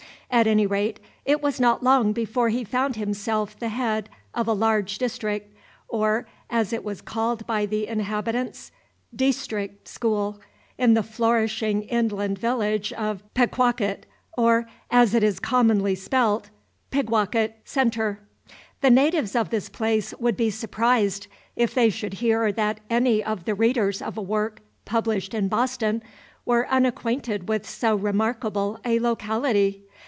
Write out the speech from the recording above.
At any rate, it was not long before he found himself the head of a large district, or, as it was called by the inhabitants, "deestric" school, in the flourishing inland village of Pequawkett, or, as it is commonly spelt, Pigwacket Centre. The natives of this place would be surprised, if they should hear that any of the readers of a work published in Boston were unacquainted with so remarkable a locality.